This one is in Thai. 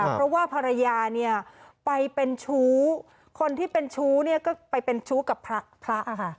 เพราะว่าภรรยาเนี่ยไปเป็นชู้คนที่เป็นชู้เนี่ยก็ไปเป็นชู้กับพระค่ะ